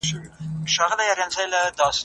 ته باید د دې غټې ونې سیوري ته کېنې.